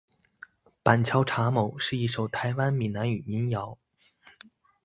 板桥查某是一首台湾闽南语民谣。